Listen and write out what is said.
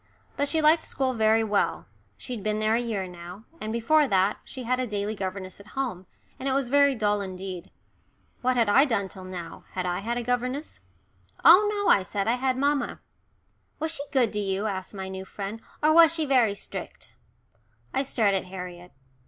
But she liked school very well, she'd been there a year now, and before that she had a daily governess at home, and it was very dull indeed. What had I done till now had I had a governess? "Oh no," I said. "I had mamma." "Was she good to you," asked my new friend, "or was she very strict?" I stared at Harriet.